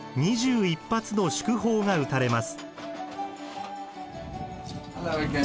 ２１発の祝砲が打たれます。